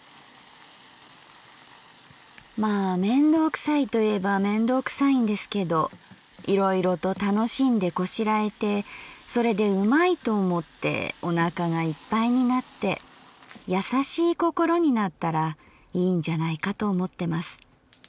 「まあ面倒くさいと言えば面倒くさいんですけどいろいろと楽しんでこしらえてそれでうまいと思ってお腹が一杯になって優しい心になったらいいんじゃないかと思ってます。